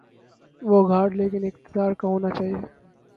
یہ گھاٹ لیکن اقتدارکا ہو نا چاہیے۔